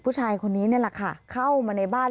ผู้ชายคนนี้นี่แหละค่ะเข้ามาในบ้าน